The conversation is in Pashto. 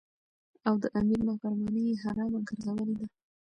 او د امیر نافرمانی یی حرامه ګرځولی ده.